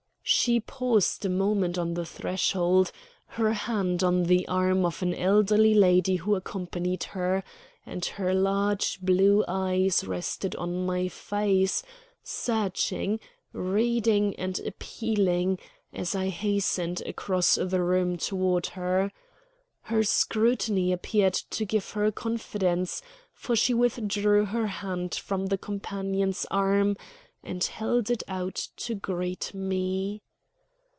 She paused a moment on the threshold, her hand on the arm of an elderly lady who accompanied her; and her large blue eyes rested on my face, searching, reading, and appealing, as I hastened across the room toward her. Her scrutiny appeared to give her confidence, for she withdrew her hand from her companion's arm and held it out to greet me.